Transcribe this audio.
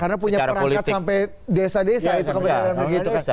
karena punya perangkat sampai desa desa